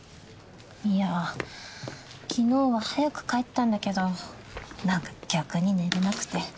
いや昨日は早く帰ったんだけどなんか逆に寝られなくて。